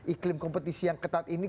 iklim kompetisi yang ketat ini